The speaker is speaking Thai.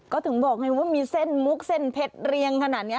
ก็ถึงบอกไงว่ามีเส้นมุกเส้นเพชรเรียงขนาดนี้